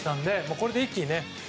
これで一気にね。